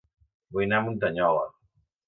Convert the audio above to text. Vull anar a Muntanyola